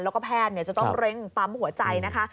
แล้วก็แพทย์จะต้องเร่งปั๊มหัวใจนะคะ